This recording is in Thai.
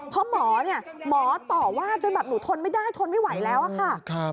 เพราะหมอต่อวาดจนหนูทนไม่ได้ทนไม่ไหวแล้วค่ะ